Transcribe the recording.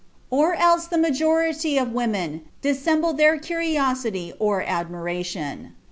Or else the majority of women dissemble their curiosity or admiration.